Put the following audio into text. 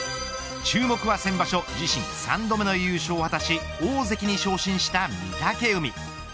注目は、先場所自身３度目の優勝を果たし大関に昇進した御嶽海。